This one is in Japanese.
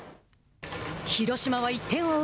広島は１点を追う